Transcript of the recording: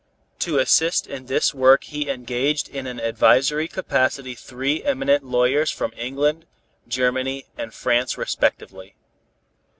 To assist in this work he engaged in an advisory capacity three eminent lawyers from England, Germany and France respectively.